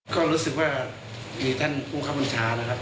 ก็รู้สึกว่ามีท่านผู้คับบัญชานะครับ